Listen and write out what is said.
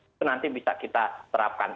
itu nanti bisa kita terapkan